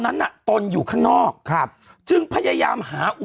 ยังไงยังไงยังไงยังไง